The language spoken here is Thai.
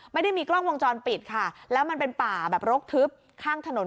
ไม่ได้มีกล้องวงจรปิดค่ะแล้วมันเป็นป่าแบบรกทึบข้างถนน